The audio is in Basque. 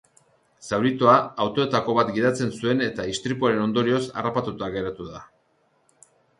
Zauritua, autoetako bat gidatzen zuen eta istripuaren ondorioz harrapatuta geratu da.